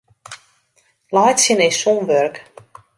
Laitsjen is sûn wurk.